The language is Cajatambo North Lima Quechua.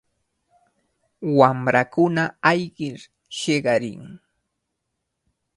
Wamrakuna ayqir hiqarin.